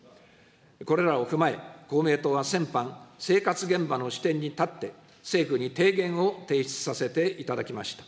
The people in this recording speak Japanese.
これらを踏まえ、公明党は先般、生活現場の視点に立って、政府に提言を提出させていただきました。